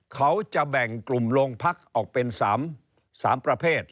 เขาจะแบ่งกลุ่มโรงพักออกเป็น๓ประเภท